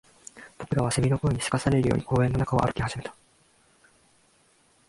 僕らは蝉の声に急かされるように公園の中を歩き始めた